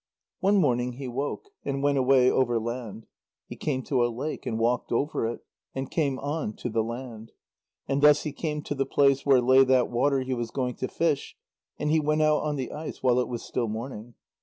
One morning he woke, and went away over land. He came to a lake, and walked over it, and came again on to the land. And thus he came to the place where lay that water he was going to fish, and he went out on the ice while it was still morning.